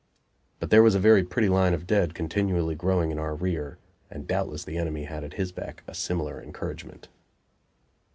But there was a very pretty line of dead continually growing in our rear, and doubtless the enemy had at his back a similar encouragement.